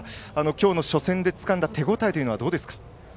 今日の初戦でつかんだ手応えはどうですか。